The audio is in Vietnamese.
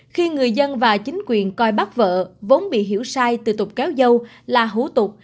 khi người dân và chính quyền coi bắt vợ vốn bị hiểu sai từ tục kéo dâu là hủ tục